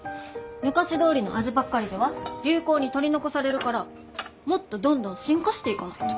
昔どおりの味ばっかりでは流行に取り残されるからもっとどんどん進化していかないと。